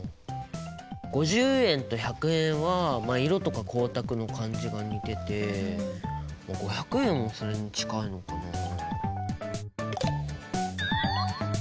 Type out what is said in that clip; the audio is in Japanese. ５０円と１００円はまあ色とか光沢の感じが似てて５００円もそれに近いのかなあ。